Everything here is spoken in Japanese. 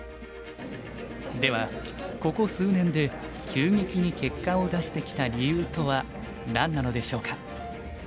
ではここ数年で急激に結果を出してきた理由とは何なのでしょうか？